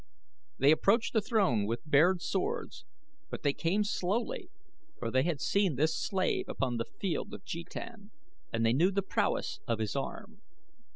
They approached the throne with bared swords, but they came slowly for they had seen this slave upon the Field of Jetan and they knew the prowess of his arm.